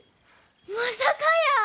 まさかやー。